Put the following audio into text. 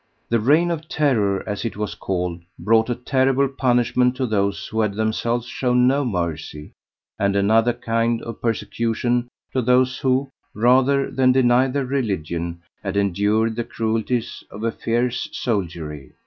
The 'Reign of Terror,' as it was called, brought a terrible punishment to those who had themselves shown no mercy; and another kind of persecution to those who, rather than deny their religion, had endured the cruelties of a fierce soldiery.